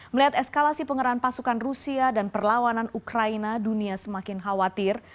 melihat eskalasi pengerahan pasukan rusia dan perlawanan ukraina dunia semakin khawatir